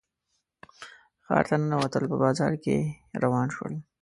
ښار ته ننوتل په بازار کې روان شول.